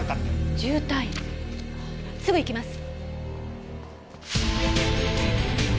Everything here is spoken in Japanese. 重体すぐ行きます。